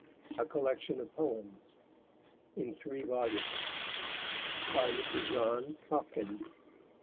A Collection of Poems. In three volumes. By Mr. John Hopkins.